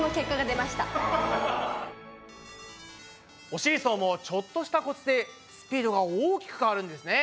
お尻走もちょっとしたコツでスピードが大きく変わるんですね。